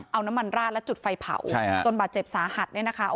เอาน้ำมันราดและจุดไฟเผาจนบาดเจ็บสาหัส